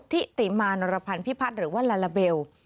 ทิติมานรพันธ์พิพัฒน์หรือว่าลาลาเบล